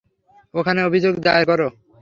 ওখানে অভিযোগ দায়ের করো।